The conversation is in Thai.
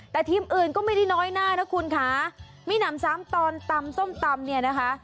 แต่ทีมอื่นก็ไม่ได้น้อยหน้านะคุณค่ะมีหนำซ้ำตอนตำส้มตำเนี่ยนะคะ